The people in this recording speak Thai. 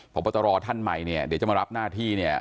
พบตรท่านใหม่เนี่ยเดี๋ยวจะมารับหน้าที่เนี่ย